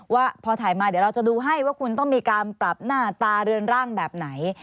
ว่าพอถ่ายมาเดี๋ยวเราจะดูให้ว่าคุณต้องมีการปรับหน้าตาเรือนร่างแบบไหน